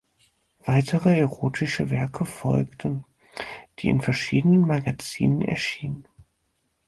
Weitere erotische Werke folgten, die in verschiedenen Magazinen erschienen.